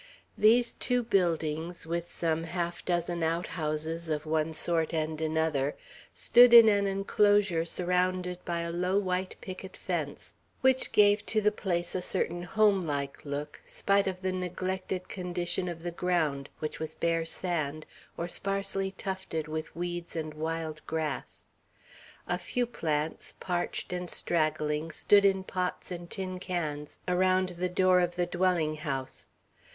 These two buildings, with some half dozen out houses of one sort and another, stood in an enclosure surrounded by a low white picket fence, which gave to the place a certain home like look, spite of the neglected condition of the ground, which was bare sand, or sparsely tufted with weeds and wild grass. A few plants, parched and straggling, stood in pots and tin cans around the door of the dwelling house.